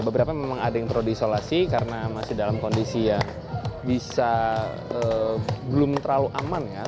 beberapa memang ada yang perlu diisolasi karena masih dalam kondisi yang bisa belum terlalu aman ya